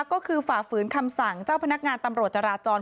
ก็คือฝ่าฝืนคำสั่งเจ้าพนักงานตำรวจจราจร